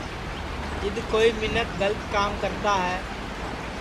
جِد کوئی مینکھ گلت کام کرتا ہے